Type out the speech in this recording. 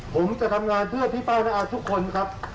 ผมจะทำงานเพื่อพิภาคภาคทุกคนครับ